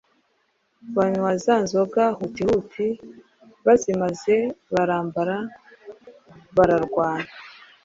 banywa za nzoga hutihuti, bazimaze barambara, bararwana.